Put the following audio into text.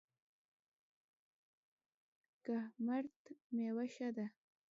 کهمرد میوه ښه ده؟